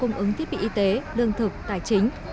cung ứng thiết bị y tế lương thực tài chính